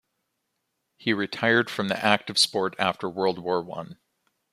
He retired from active sport after World War One.